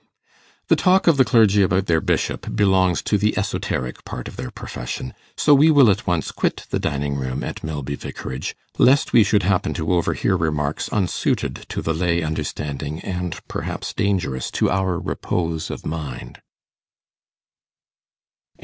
The talk of the clergy about their Bishop belongs to the esoteric part of their profession; so we will at once quit the dining room at Milby Vicarage, lest we should happen to overhear remarks unsuited to the lay understanding, and perhaps dangerous to our repose of mind.